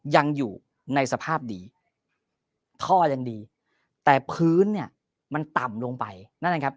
ยังอยู่ในสภาพดีท่อยังดีแต่พื้นเนี่ยมันต่ำลงไปนั่นนะครับ